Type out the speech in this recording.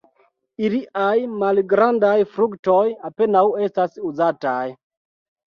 Iliaj malgrandaj fruktoj apenaŭ estas uzataj.